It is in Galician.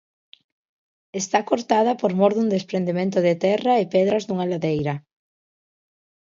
Está cortada por mor dun desprendemento de terra e pedras dunha ladeira.